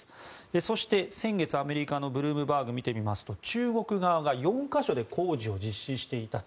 そして先月、アメリカのブルームバーグを見てみますと中国側が４か所で工事を実施していたと。